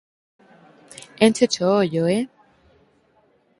Éncheche o ollo, eh!